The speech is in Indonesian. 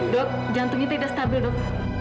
dok jantungnya tidak stabil dok